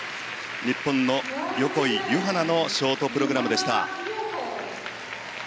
日本の横井ゆは菜のショートプログラムでした。